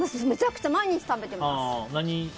めちゃくちゃ、毎日食べてます。